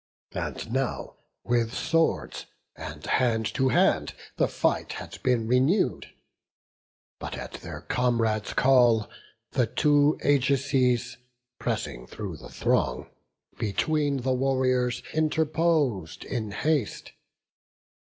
And now with swords, and hand to hand, the fight Had been renew'd; but at their comrade's call The two Ajaces, pressing through the throng, Between the warriors interpos'd in haste.